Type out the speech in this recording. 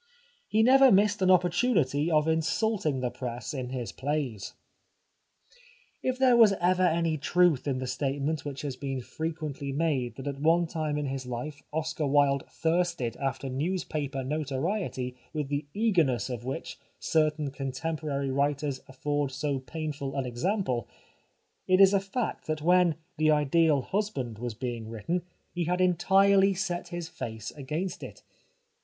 He never missed an opportunity of insulting the press in his plays. If there was ever any truth in the statement which has been frequently made that at one time in his life Oscar Wilde thirsted after news paper notoriety with the eagerness of which certain contemporary writers afford so painful an example, it is a fact that when " The Ideal 276 The Life of Oscar Wilde Husband " was being written he had entirely set his face against it.